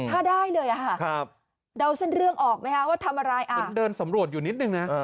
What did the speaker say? ถ้าได้เลยค่ะเดาเส้นเรื่องออกไหมคะว่าทำอะไรเห็นเดินสำรวจอยู่นิดนึงนะ